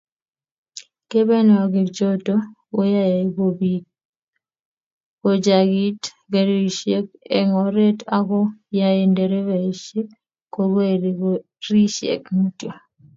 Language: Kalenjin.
kebenwogik choto koyae kobiit kochangit karishek eng oret ago yae nderefainik kokweri karishek Mutyo